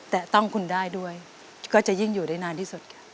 แต่ต้องคุณได้ด้วยก็จะยิ่งอยู่ได้นานที่สุดค่ะ